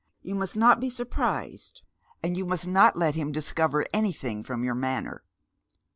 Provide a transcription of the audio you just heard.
You must not be surprised, and you must not let him discover anything from your manner.